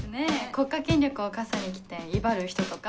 国家権力を笠に着て威張る人とか。